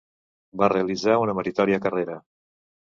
Va realitzar una meritòria carrera.